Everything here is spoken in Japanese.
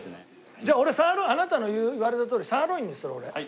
じゃあ俺あなたの言われたとおりサーロインにする俺。